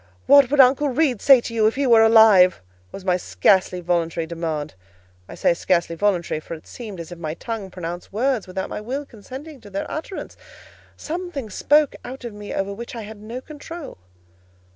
"What would Uncle Reed say to you, if he were alive?" was my scarcely voluntary demand. I say scarcely voluntary, for it seemed as if my tongue pronounced words without my will consenting to their utterance: something spoke out of me over which I had no control.